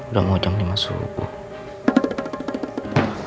udah mau jam lima subuh